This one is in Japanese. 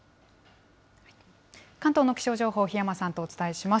関東の気象情報、檜山さんとお伝えします。